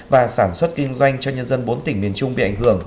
và sản xuất kinh doanh cho nhân dân bốn tỉnh miền trung bị ảnh hưởng